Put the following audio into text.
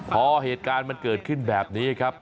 พอเหตุการณ์มันเกิดขึ้นแบบนี้ครับ